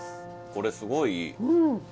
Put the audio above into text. これすごいいい。